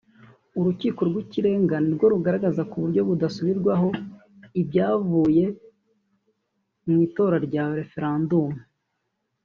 Urukiko rw’Ikirenga ni rwo rugaragaza ku buryo budasubirwaho ibyavuye mu itora rya referandumu